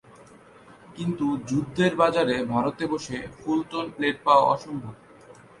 কিন্তু যুদ্ধের বাজারে ভারতে বসে ‘ফুল-টোন’ প্লেট পাওয়া অসম্ভব।